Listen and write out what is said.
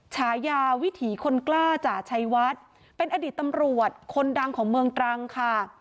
ฉายาวิถีคนกล้าจ่าชัยวัดเป็นอดีตตำรวจคนดังของเมืองตรังค่ะ